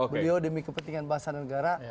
beliau demi kepentingan bahasa negara